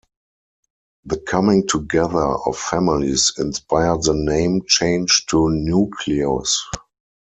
The coming together of families inspired the name change to Newcleus.